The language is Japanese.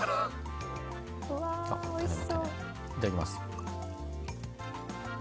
いただきます。